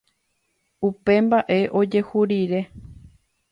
upe mba'e ojehu rire